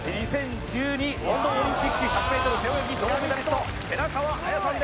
ロンドンオリンピック１００ｍ背泳ぎ銅メダリスト寺川綾さん